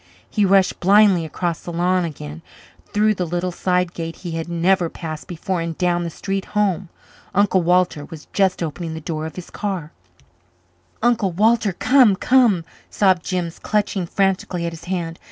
He rushed blindly across the lawn again, through the little side gate he had never passed before and down the street home. Uncle Walter was just opening the door of his car. "Uncle Walter come come," sobbed Jims, clutching frantically at his hand.